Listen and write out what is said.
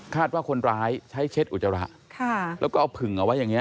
ว่าคนร้ายใช้เช็ดอุจจาระแล้วก็เอาผึ่งเอาไว้อย่างนี้